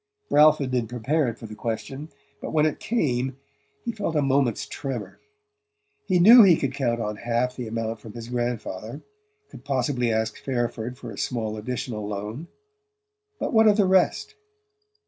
Ralph had been prepared for the question, but when it came he felt a moment's tremor. He knew he could count on half the amount from his grandfather; could possibly ask Fairford for a small additional loan but what of the rest?